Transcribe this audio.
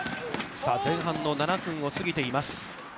さあ、前半の７分を過ぎています。